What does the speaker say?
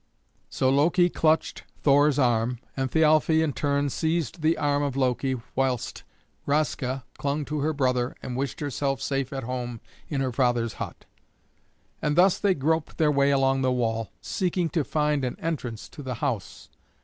So Loki clutched Thor's arm, and Thialfe in turn seized the arm of Loki, whilst Raska clung to her brother and wished herself safe at home in her father's hut. And thus they groped their way along the wall, seeking to find an entrance to the house.